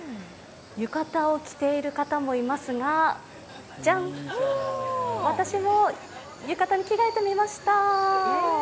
浴衣を着ている方もいますが、ジャン、私も浴衣に着替えてみました。